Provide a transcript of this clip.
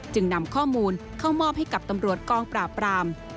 นำข้อมูลเข้ามอบให้กับตำรวจกองปราบราม